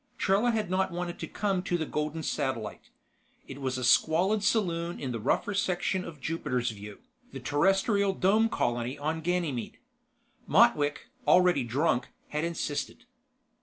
Trella had not wanted to come to the Golden Satellite. It was a squalid saloon in the rougher section of Jupiter's View, the terrestrial dome colony on Ganymede. Motwick, already drunk, had insisted.